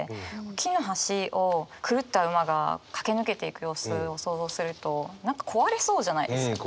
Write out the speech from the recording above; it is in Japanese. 木の橋を狂った馬が駆け抜けていく様子を想像すると何か壊れそうじゃないですか。